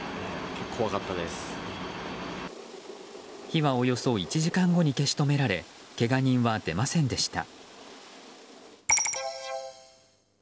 火はおよそ１時間後に消し止められけが人は出ませんでした。